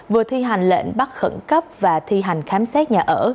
vừa thi hành lệnh bắt khẩn cấp và thi hành khám xét nhà ở